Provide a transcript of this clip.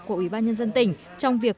của ủy ban nhân dân tỉnh trong việc